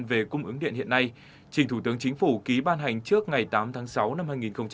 về cung ứng điện hiện nay trình thủ tướng chính phủ ký ban hành trước ngày tám tháng sáu năm hai nghìn hai mươi